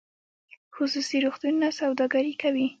خصوصي روغتونونه سوداګري کوي